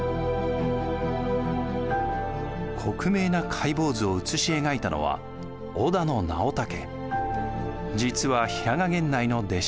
克明な解剖図を写し描いたのは実は平賀源内の弟子でした。